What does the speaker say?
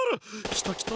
きたきた！